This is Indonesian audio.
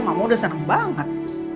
mama udah seneng banget